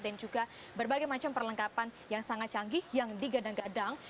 dan juga berbagai macam perlengkapan yang sangat canggih yang digadang gadang